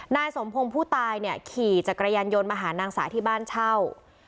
นายสมพงศ์ผู้ตายเนี่ยขี่จักรยานยนต์มาหานางสาที่บ้านเช่า